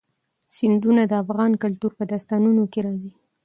سیندونه د افغان کلتور په داستانونو کې راځي.